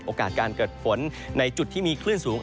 โอกาสการเกิดฝนในจุดที่มีคลื่นสูง